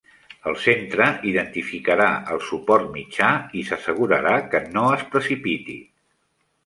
El centre identificarà el suport mitjà i s'assegurarà que no es precipiti.